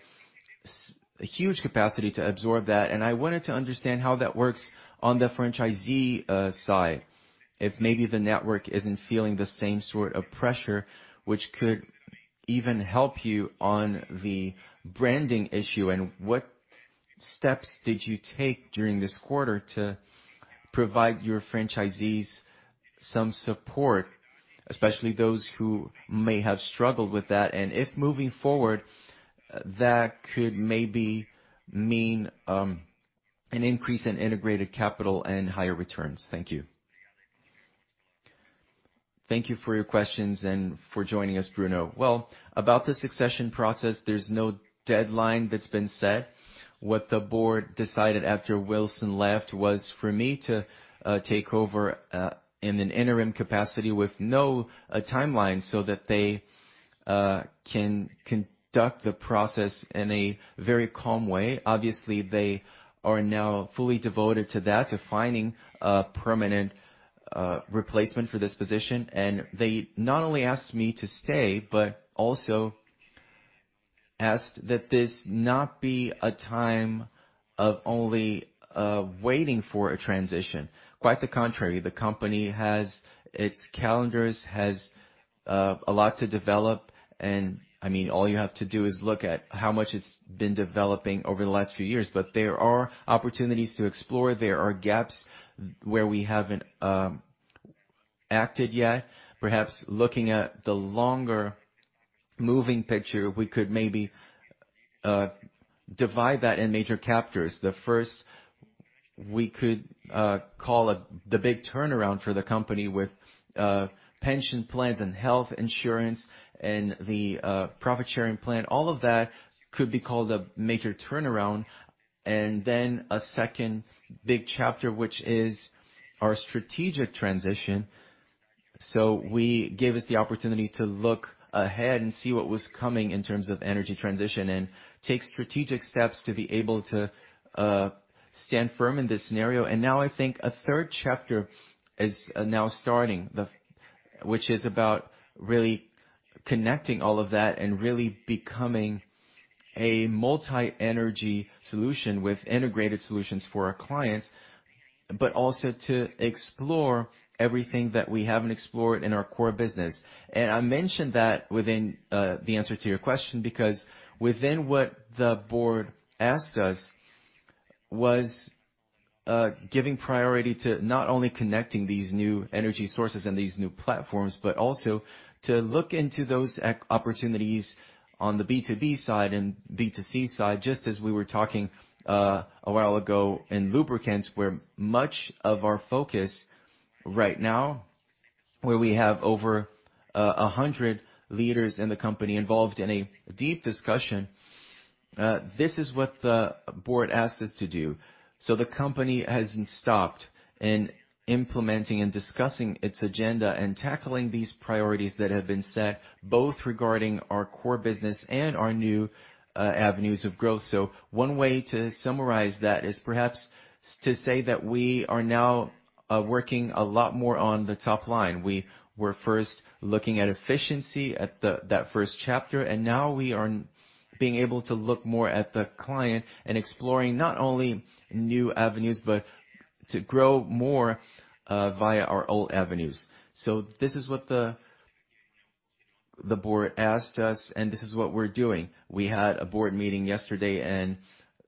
a huge capacity to absorb that. I wanted to understand how that works on the franchisee side, if maybe the network isn't feeling the same sort of pressure which could even help you on the branding issue. What steps did you take during this quarter to provide your franchisees some support, especially those who may have struggled with that, and if moving forward, that could maybe mean an increase in integrated capital and higher returns? Thank you. Thank you for your questions and for joining us, Bruno. Well, about the succession process, there's no deadline that's been set. What the board decided after Wilson left was for me to take over in an interim capacity with no timeline so that they can conduct the process in a very calm way. Obviously, they are now fully devoted to that, to finding a permanent replacement for this position. They not only asked me to stay, but also asked that this not be a time of only waiting for a transition. Quite the contrary, the company has its calendars, has a lot to develop, and I mean, all you have to do is look at how much it's been developing over the last few years. There are opportunities to explore. There are gaps where we haven't acted yet. Perhaps looking at the longer moving picture, we could maybe divide that in major chapters. The first we could call it the big turnaround for the company with pension plans and health insurance and the profit-sharing plan. All of that could be called a major turnaround. A second big chapter, which is our strategic transition. We gave us the opportunity to look ahead and see what was coming in terms of energy transition and take strategic steps to be able to stand firm in this scenario. Now I think a third chapter is now starting, which is about really connecting all of that and really becoming a multi-energy solution with integrated solutions for our clients, but also to explore everything that we haven't explored in our core business. I mentioned that within the answer to your question, because within what the board asked us was giving priority to not only connecting these new energy sources and these new platforms, but also to look into those e-opportunities on the B2B side and B2C side, just as we were talking a while ago in lubricants, where much of our focus right now, where we have over 100 leaders in the company involved in a deep discussion. This is what the board asked us to do. The company hasn't stopped in implementing and discussing its agenda and tackling these priorities that have been set, both regarding our core business and our new avenues of growth. One way to summarize that is perhaps to say that we are now working a lot more on the top line. We were first looking at efficiency, that first chapter, and now we are being able to look more at the client and exploring not only new avenues, but to grow more via our old avenues. This is what the board asked us, and this is what we're doing. We had a board meeting yesterday, and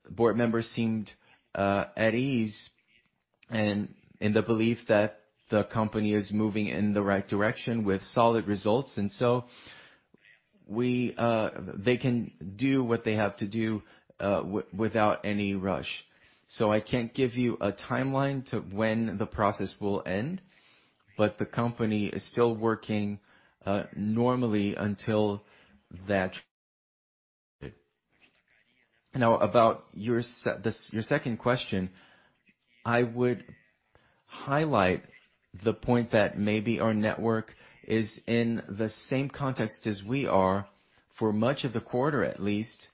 board members seemed at ease and in the belief that the company is moving in the right direction with solid results. They can do what they have to do without any rush. I can't give you a timeline to when the process will end, but the company is still working normally until that. Now about your second question, I would highlight the point that maybe our network is in the same context as we are for much of the quarter, at least,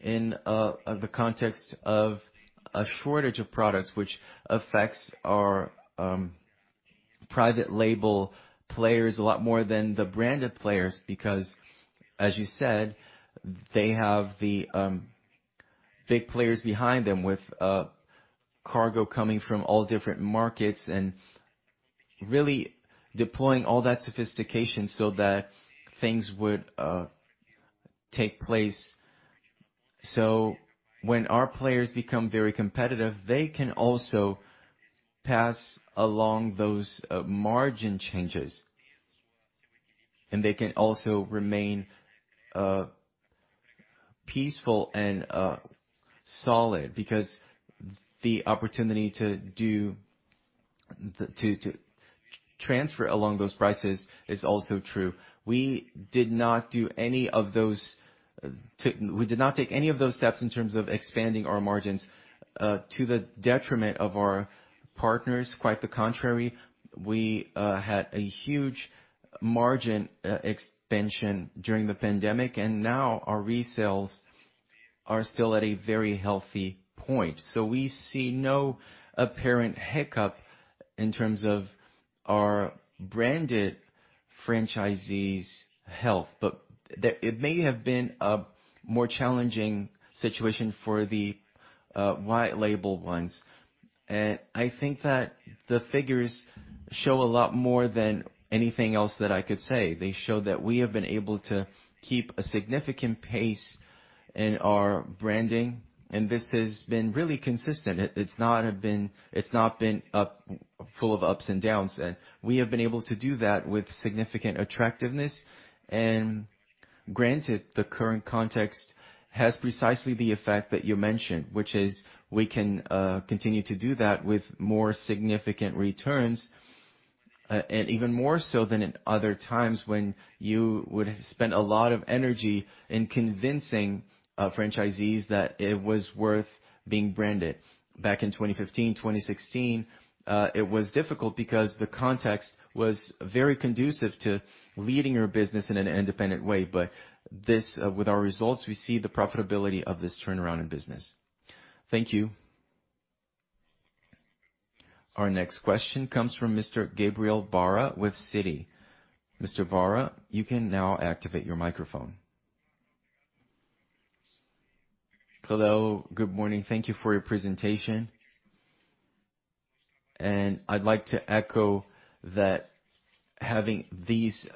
in the context of a shortage of products which affects our private label players a lot more than the branded players, because as you said, they have the big players behind them with cargo coming from all different markets and really deploying all that sophistication so that things would take place. When our players become very competitive, they can also pass along those margin changes, and they can also remain peaceful and solid because the opportunity to transfer along those prices is also true. We did not take any of those steps in terms of expanding our margins to the detriment of our partners. Quite the contrary, we had a huge margin expansion during the pandemic, and now our resales are still at a very healthy point. We see no apparent hiccup in terms of our branded franchisees' health. It may have been a more challenging situation for the white label ones. I think that the figures show a lot more than anything else that I could say. They show that we have been able to keep a significant pace in our branding, and this has been really consistent. It's not been full of ups and downs. We have been able to do that with significant attractiveness. Granted, the current context has precisely the effect that you mentioned, which is we can continue to do that with more significant returns, and even more so than in other times when you would spend a lot of energy in convincing franchisees that it was worth being branded. Back in 2015, 2016, it was difficult because the context was very conducive to leading your business in an independent way. This, with our results, we see the profitability of this turnaround in business. Thank you. Our next question comes from Mr. Gabriel Barra with Citi. Mr. Barra, you can now activate your microphone. Hello, good morning. Thank you for your presentation. I'd like to echo that having these,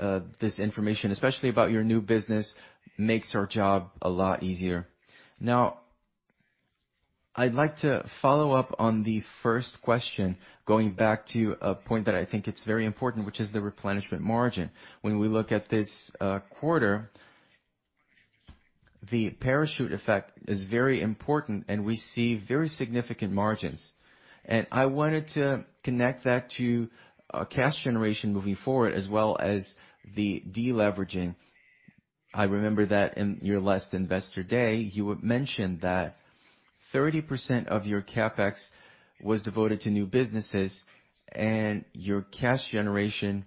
this information, especially about your new business, makes our job a lot easier. Now I'd like to follow up on the first question, going back to a point that I think it's very important, which is the replenishment margin. When we look at this quarter, the parachute effect is very important, and we see very significant margins. I wanted to connect that to cash generation moving forward, as well as the deleveraging. I remember that in your last investor day, you had mentioned that 30% of your CapEx was devoted to new businesses, and your cash generation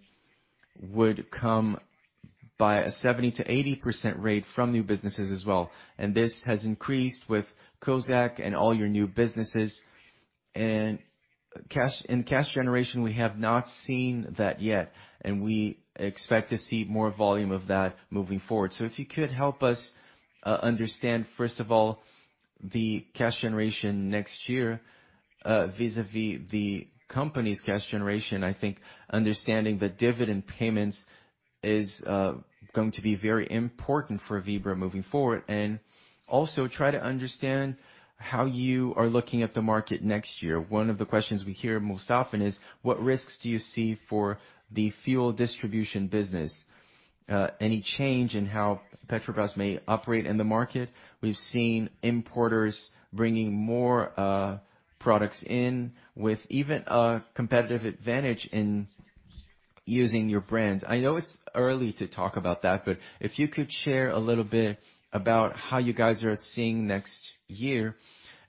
would come by a 70%-80% rate from new businesses as well. This has increased with Comerc and all your new businesses. In cash generation, we have not seen that yet, and we expect to see more volume of that moving forward. If you could help us understand, first of all, the cash generation next year vis-à-vis the company's cash generation. I think understanding the dividend payments is going to be very important for Vibra moving forward. Also try to understand how you are looking at the market next year. One of the questions we hear most often is what risks do you see for the fuel distribution business? Any change in how Petrobras may operate in the market? We've seen importers bringing more products in with even a competitive advantage in using your brands. I know it's early to talk about that, but if you could share a little bit about how you guys are seeing next year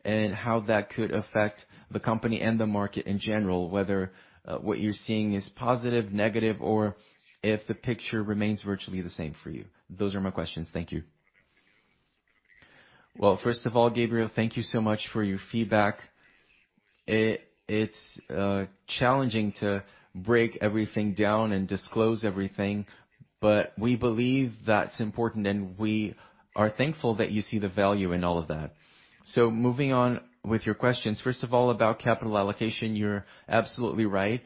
and how that could affect the company and the market in general, whether what you're seeing is positive, negative, or if the picture remains virtually the same for you? Those are my questions. Thank you. Well, first of all, Gabriel, thank you so much for your feedback. It's challenging to break everything down and disclose everything, but we believe that's important, and we are thankful that you see the value in all of that. Moving on with your questions. First of all, about capital allocation, you're absolutely right.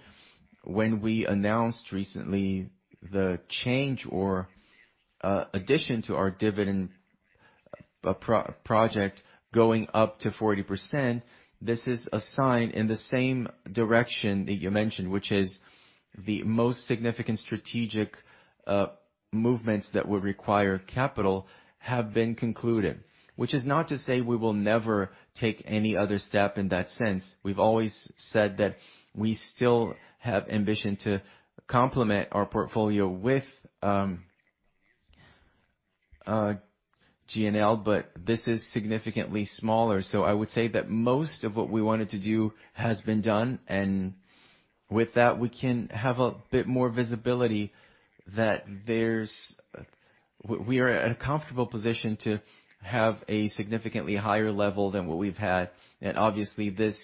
When we announced recently the change or addition to our dividend program going up to 40%, this is a sign in the same direction that you mentioned, which is the most significant strategic movements that would require capital have been concluded. Which is not to say we will never take any other step in that sense. We've always said that we still have ambition to complement our portfolio with GNL, but this is significantly smaller. So I would say that most of what we wanted to do has been done, and with that, we can have a bit more visibility. We are at a comfortable position to have a significantly higher level than what we've had. Obviously, this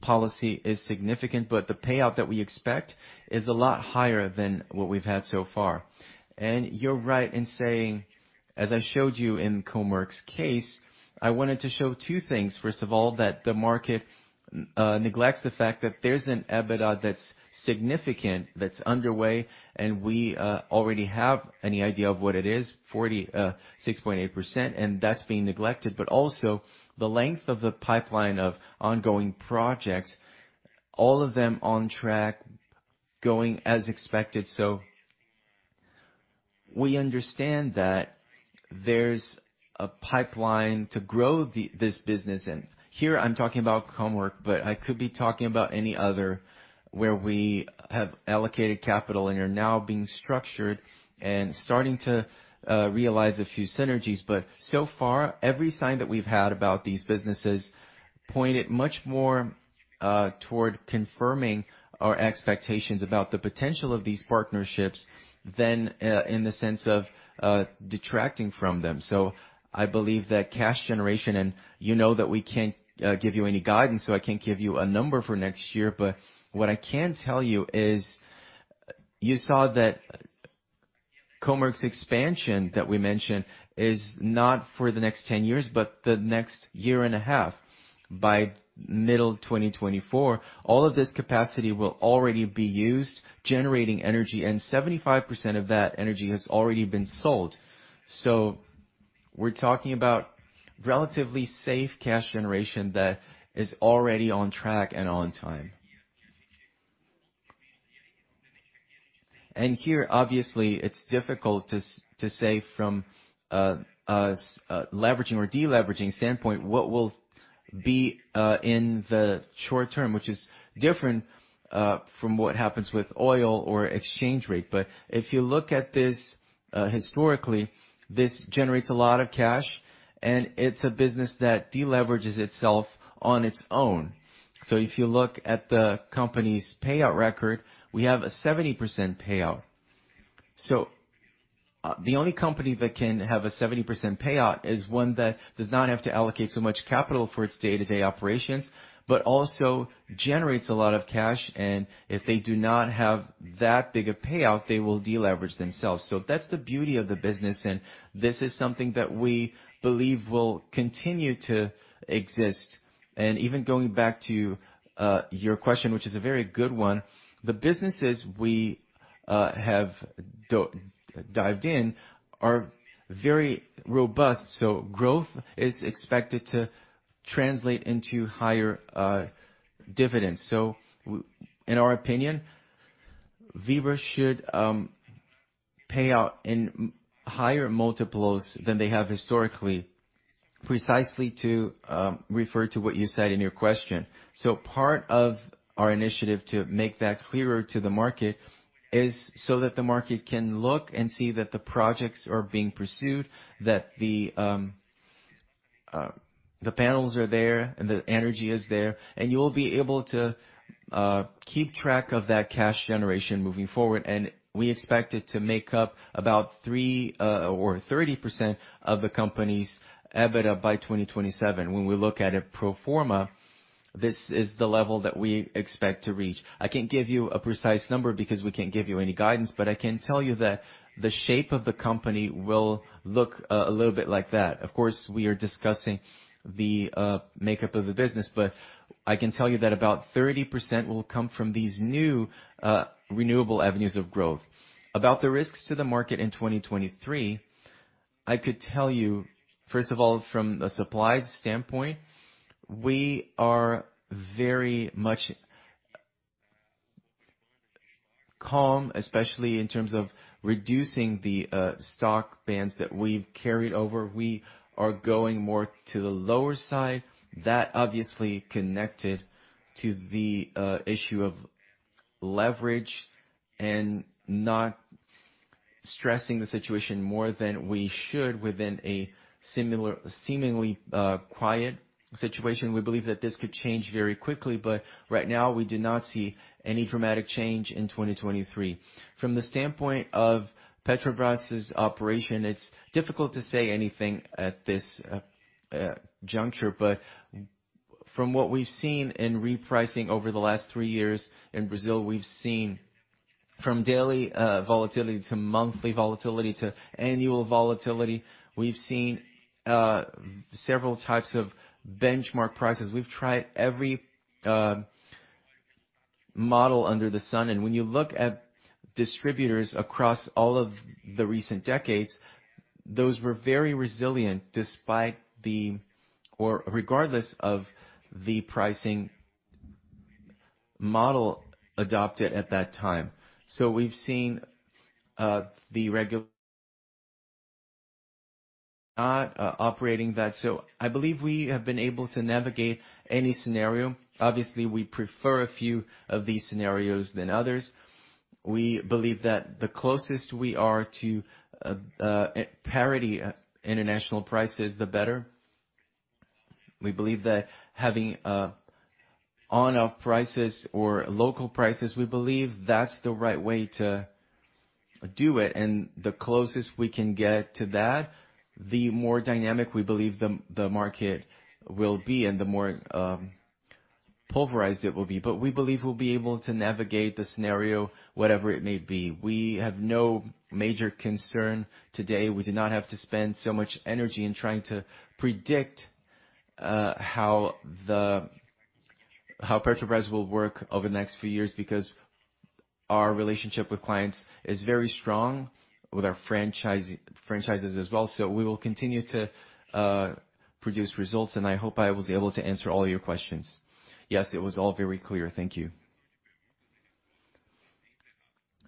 policy is significant, but the payout that we expect is a lot higher than what we've had so far. You're right in saying, as I showed you in Comerc's case, I wanted to show two things. First of all, that the market neglects the fact that there's an EBITDA that's significant that's underway, and we already have an idea of what it is, 46.8%, and that's being neglected. But also the length of the pipeline of ongoing projects, all of them on track, going as expected. We understand that there's a pipeline to grow this business. Here I'm talking about Comerc, but I could be talking about any other, where we have allocated capital and are now being structured and starting to realize a few synergies. So far, every sign that we've had about these businesses pointed much more toward confirming our expectations about the potential of these partnerships than in the sense of detracting from them. I believe that cash generation and you know that we can't give you any guidance, so I can't give you a number for next year. What I can tell you is, you saw that Comerc's expansion that we mentioned is not for the next 10 years, but the next year and a half. By middle of 2024, all of this capacity will already be used generating energy, and 75% of that energy has already been sold. We're talking about relatively safe cash generation that is already on track and on time. Here, obviously, it's difficult to say from a leveraging or deleveraging standpoint, what will be in the short term, which is different from what happens with oil or exchange rate. If you look at this historically, this generates a lot of cash, and it's a business that deleverages itself on its own. If you look at the company's payout record, we have a 70% payout. The only company that can have a 70% payout is one that does not have to allocate so much capital for its day-to-day operations, but also generates a lot of cash. If they do not have that big a payout, they will deleverage themselves. That's the beauty of the business, and this is something that we believe will continue to exist. Even going back to your question, which is a very good one, the businesses we have dived in are very robust, so growth is expected to translate into higher dividends. In our opinion, Vibra should pay out in higher multiples than they have historically. Precisely to refer to what you said in your question. Part of our initiative to make that clearer to the market is so that the market can look and see that the projects are being pursued, that the panels are there, and the energy is there, and you'll be able to keep track of that cash generation moving forward. We expect it to make up about 3% or 30% of the company's EBITDA by 2027. When we look at it pro forma, this is the level that we expect to reach. I can't give you a precise number because we can't give you any guidance, but I can tell you that the shape of the company will look a little bit like that. Of course, we are discussing the makeup of the business, but I can tell you that about 30% will come from these new renewable avenues of growth. About the risks to the market in 2023, I could tell you, first of all, from a supply standpoint, we are very much calm, especially in terms of reducing the stock bands that we've carried over. We are going more to the lower side. That obviously connected to the issue of leverage and not stressing the situation more than we should within a similar quiet situation. We believe that this could change very quickly, but right now, we do not see any dramatic change in 2023. From the standpoint of Petrobras' operation, it's difficult to say anything at this juncture. From what we've seen in repricing over the last three years in Brazil, we've seen from daily volatility to monthly volatility to annual volatility. We've seen several types of benchmark prices. We've tried every model under the sun. When you look at distributors across all of the recent decades, those were very resilient despite or regardless of the pricing model adopted at that time. We've seen the regulator operating that. I believe we have been able to navigate any scenario. Obviously, we prefer a few of these scenarios than others. We believe that the closest we are to parity international prices, the better. We believe that having on off prices or local prices, we believe that's the right way to do it, and the closest we can get to that, the more dynamic we believe the market will be and the more pulverized it will be. We believe we'll be able to navigate the scenario, whatever it may be. We have no major concern today. We do not have to spend so much energy in trying to predict how Petrobras will work over the next few years because our relationship with clients is very strong, with our franchises as well. We will continue to produce results, and I hope I was able to answer all your questions. Yes, it was all very clear. Thank you.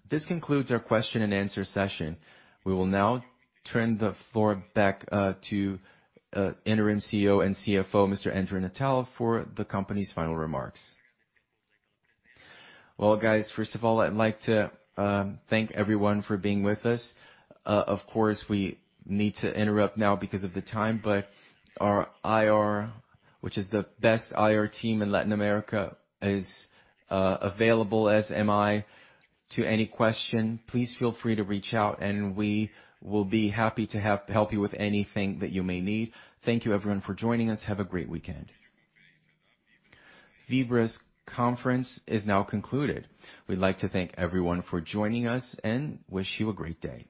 This concludes our question and answer session. We will now turn the floor back to Interim CEO and CFO, Mr. André Natal, for the company's final remarks. Well, guys, first of all, I'd like to thank everyone for being with us. Of course, we need to interrupt now because of the time, but our IR, which is the best IR team in Latin America, is available, as am I, to any question. Please feel free to reach out, and we will be happy to help you with anything that you may need. Thank you everyone for joining us. Have a great weekend. Vibra's conference is now concluded. We'd like to thank everyone for joining us and wish you a great day.